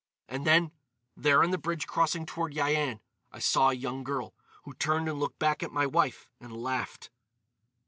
And then, there on the bridge crossing toward Yian, I saw a young girl, who turned and looked back at my wife and laughed."